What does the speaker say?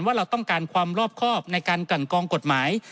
ว่าเราต้องการความรอบครอบในการกลั่นกองกฎหมาย